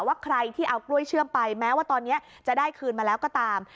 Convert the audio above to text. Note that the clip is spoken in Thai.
ว่าใครที่เอากล้วยเชื่อมไปแม้ว่าตอนนี้จะได้คืนมาแล้วก็ตาม